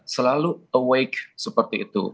selalu awake seperti itu